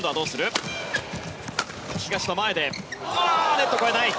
ネットを越えない。